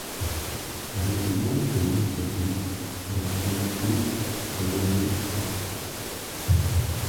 Avec les membres de l'Initiative, elle affronte Hulk revenu de l'espace.